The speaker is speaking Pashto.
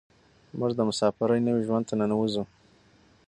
موږ د مساپرۍ نوي ژوند ته ننوځو.